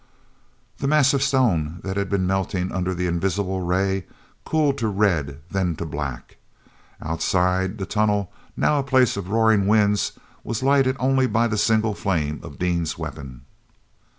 The mass of stone, that had been melting under the invisible ray, cooled to red, then to black. Outside, the tunnel, now a place of roaring winds, was lighted only by the single flame of Dean's weapon.